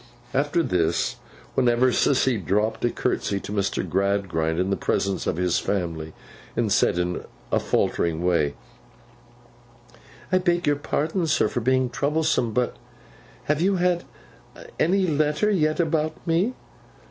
After this, whenever Sissy dropped a curtsey to Mr. Gradgrind in the presence of his family, and said in a faltering way, 'I beg your pardon, sir, for being troublesome—but—have you had any letter yet about me?